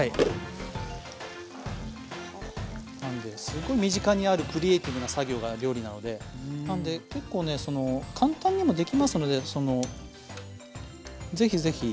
なんですごい身近にあるクリエーティブな作業が料理なのでなんで結構ねその簡単にもできますので是非是非。